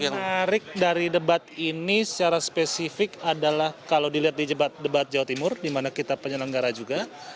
yang menarik dari debat ini secara spesifik adalah kalau dilihat di debat jawa timur dimana kita penyelenggara juga